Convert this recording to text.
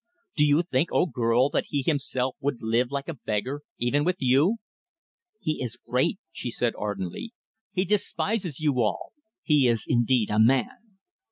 "Do you think, O girl! that he himself would live like a beggar, even with you?" "He is great," she said, ardently. "He despises you all! He despises you all! He is indeed a man!"